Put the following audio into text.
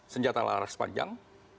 senjata laras panjang